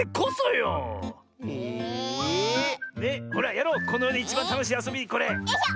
よいしょ！